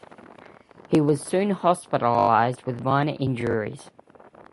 He was soon hospitalized with minor injuries.